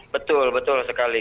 betul betul sekali